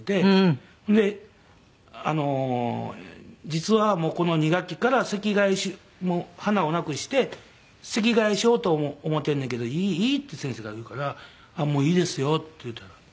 「実はこの２学期から席替えもう花をなくして席替えしようと思ってんねんけどいい？」って先生が言うから「もういいですよ」って言うた。